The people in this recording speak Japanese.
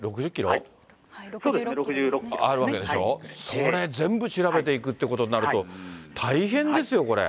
あるわけでしょ、それ、全部調べていくっていうことになると、大変ですよ、これ。